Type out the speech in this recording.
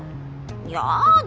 やだ